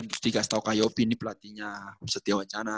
terus dikasih tau kak yopi ini pelatihnya satya wacana